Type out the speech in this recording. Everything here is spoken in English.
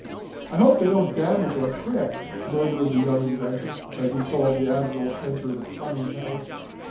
"I hope they don't damage our craft," murmured the young inventor, as he saw the admiral enter the conning tower.